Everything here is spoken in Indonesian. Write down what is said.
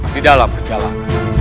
di dalam perjalanan